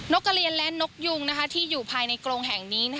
กระเรียนและนกยุงที่อยู่ภายในกรงแห่งนี้